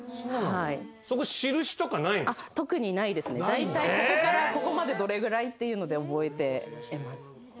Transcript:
だいたいここからここまでどれぐらいっていうので覚えてます。